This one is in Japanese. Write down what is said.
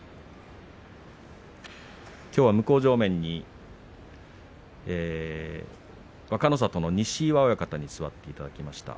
きょうは向正面若の里の西岩親方に座っていただきました。